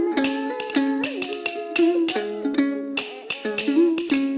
bạn kiếm quyền nhảy mãi